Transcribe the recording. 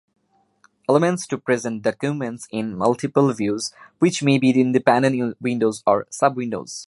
Elements to present documents in multiple views, which may be independent windows or subwindows.